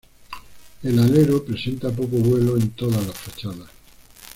El alero presenta poco vuelo en todas las fachadas.